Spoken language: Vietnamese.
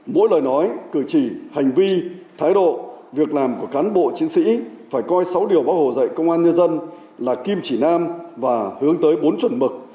mỗi lời nói cử chỉ hành vi thái độ việc làm của cán bộ chiến sĩ phải coi sáu điều báo hồ dạy công an nhân dân là kim chỉ nam và hướng tới bốn chuẩn mực